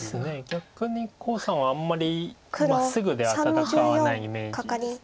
逆に黄さんはあんまりまっすぐでは戦わないイメージです。